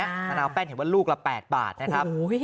มะนาวแป้นเห็นว่าลูกละ๘บาทนะครับ